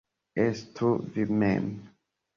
Estu vi mem.